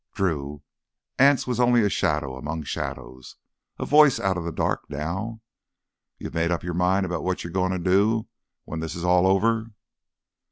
"Drew." Anse was only a shadow among shadows, a voice out of the dark now. "You made up your mind about what you're goin' to do when this is all over?"